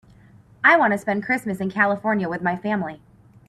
I want to spend Christmas in California with my family.